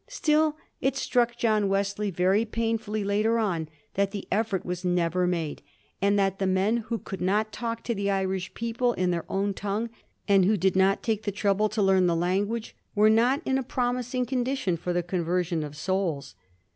Still it struck John Wesley very painfully later on that the effort was never made, and that the men who could not talk to the Irish people in their own tongue, and who did not take the trouble to learn the language, were not in a promising condition for the conversion of souls.